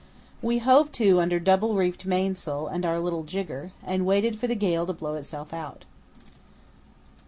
We hove to under double reefed mainsail and our little jigger, and waited for the gale to blow itself out.